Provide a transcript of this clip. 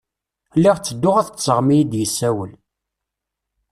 Lliɣ tedduɣ ad ṭṭṣeɣ mi i iyi-d-yessawel.